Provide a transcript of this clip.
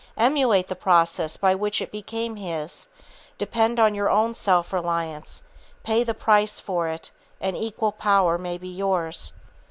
Emulate the process by which it became his, depend on your self reliance, pay the price for it, and equal power may be yours.